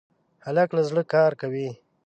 هلک له زړه کار کوي.